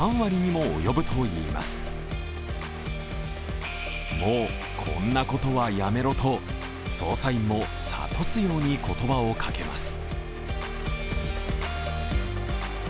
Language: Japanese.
もうこんなことはやめろと捜査員も諭すように言葉をかけます。